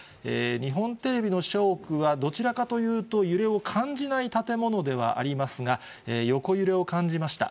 日本テレビの社屋は、どちらかというと揺れを感じない建物ではありますが、横揺れを感じました。